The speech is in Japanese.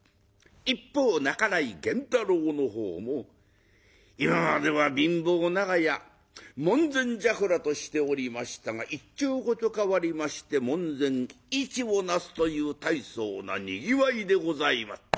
一方半井源太郎のほうも今までは貧乏長屋門前雀羅としておりましたが一朝こと変わりまして門前市を成すという大層なにぎわいでございます。